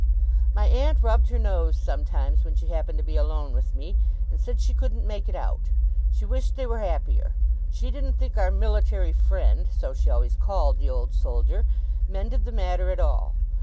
My aunt rubbed her nose sometimes when she happened to be alone with me, and said she couldn't make it out; she wished they were happier; she didn't think our military friend (so she always called the Old Soldier) mended the matter at all.